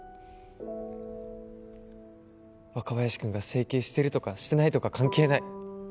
若林くんが整形してるとかしてないとか関係ない。